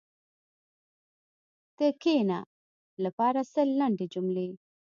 د “کښېنه” لپاره سل لنډې جملې: